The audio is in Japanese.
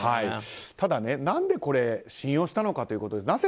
ただ何でこれ、信用したのかということです。